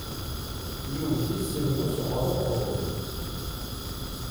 Yewwet-it s lmus ɣer uqeṛṛuy.